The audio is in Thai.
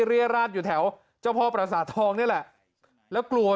เรียราชอยู่แถวเจ้าพ่อประสาททองนี่แหละแล้วกลัว